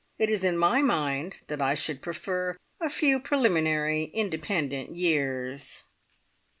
It is in my mind that I should prefer a few preliminary independent years.